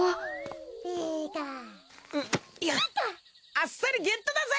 あっさりゲットだぜ！